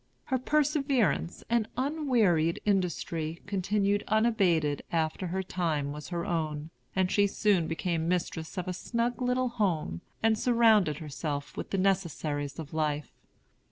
Her perseverance and unwearied industry continued unabated after her time was her own, and she soon became mistress of a snug little home, and surrounded herself with the necessaries of life.